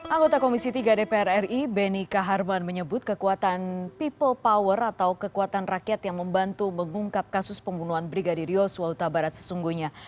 anggota komisi tiga dpr ri beni kaharman menyebut kekuatan people power atau kekuatan rakyat yang membantu mengungkap kasus pembunuhan brigadir yosua utabarat sesungguhnya